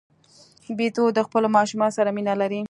بیزو د خپلو ماشومانو سره مینه لري.